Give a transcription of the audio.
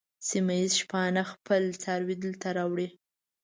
سیمه ییز شپانه خپل څاروي دلته راوړي.